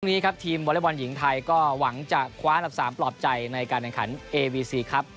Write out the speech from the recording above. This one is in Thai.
วันนี้ครับทีมวอเล็กบอลหญิงไทยก็หวังจะคว้าอันดับ๓ปลอบใจในการแข่งขันเอวีซีครับ